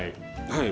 はい。